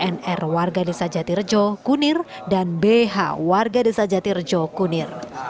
nr warga desa jatirejo kunir dan bh warga desa jatirejo kunir